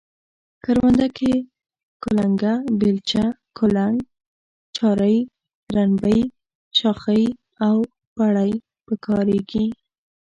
کرونده کې کلنگه، بیلچه، کولنگ، چارۍ، رنبی، شاخۍ او پړی په کاریږي.